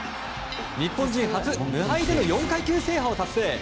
日本人初無敗での４階級制覇を達成。